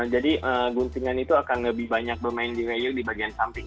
jadi guntingan itu akan lebih banyak bermain di layer di bagian samping